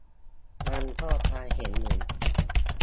มันก็ความเห็นหนึ่ง